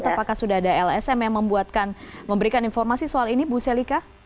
apakah sudah ada lsm yang memberikan informasi soal ini bu selika